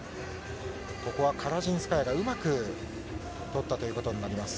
ここはカラジンスカヤがうまく取ったということになります。